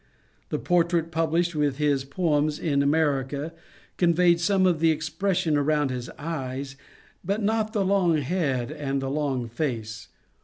The portrait published with his poems in Amer ica conveyed some of the expression around his eyes, but not the long head and the long face.